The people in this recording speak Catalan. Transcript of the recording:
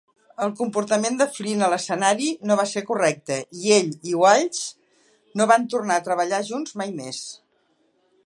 El comportament de Flynn a l'escenari no va ser correcte i ell i Walsh no van tornar a treballar junts mai més.